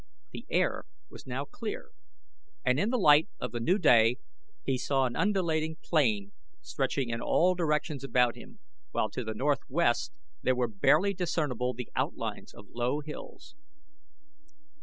The air was now clear and in the light of the new day he saw an undulating plain stretching in all directions about him, while to the northwest there were barely discernible the outlines of low hills.